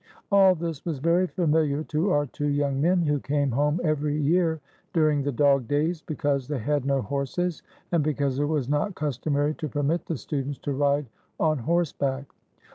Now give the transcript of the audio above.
All this was very familiar to our two young men, who came home every year during the dogdays, because they had no horses, and because it was not customary to permit the students to ride on horseback.